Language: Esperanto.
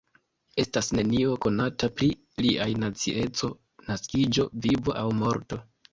Estas nenio konata pri liaj nacieco, naskiĝo, vivo aŭ morto.